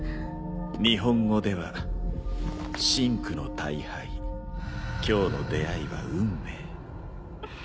日本語では「真紅の退廃」今日の出会いは運命。